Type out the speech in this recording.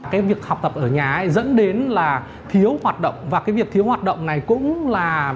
cái việc học tập ở nhà ấy dẫn đến là thiếu hoạt động và cái việc thiếu hoạt động này cũng là